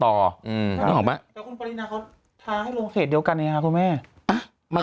แล้วคุณปริณาเขาท้าให้ลงเขตเดียวกันอย่างไรครับคุณแม่